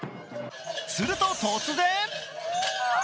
すると突然。